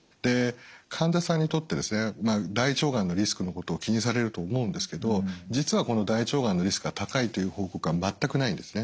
患者さんにとって大腸がんのリスクのことを気にされると思うんですけど実はこの大腸がんのリスクが高いという報告は全くないんですね。